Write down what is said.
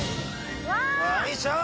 よいしょ！